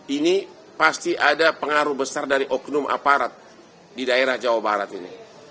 ini pasti ada pengaruh besar dari oknum aparat di daerah jawa barat ini